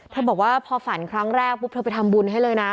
บอกว่าพอฝันครั้งแรกปุ๊บเธอไปทำบุญให้เลยนะ